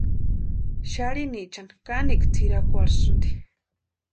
Xarhinichani kanekwa tsʼïrakwarhisïnti.